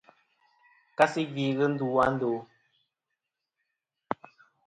Kasi gvi ghɨ ndu a ndo.